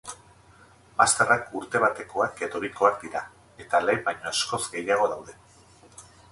Masterrak urte batekoak edo bikoak dira eta lehen baino askoz gehiago daude.